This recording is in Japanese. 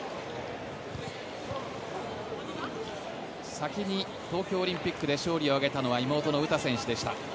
先に東京オリンピックで勝利を挙げたのは妹の詩選手でした。